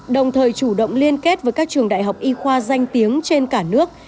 đồng thời chủ động liên kết với các trường đại học y khoa danh tiếng trên cả nước